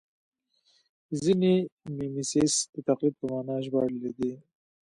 ځینې میمیسیس د تقلید په مانا ژباړلی دی